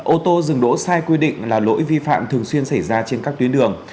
ô tô dừng đỗ sai quy định là lỗi vi phạm thường xuyên xảy ra trên các tuyến đường